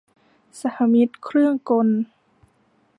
สหมิตรเครื่องกล